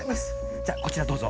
じゃこちらどうぞ。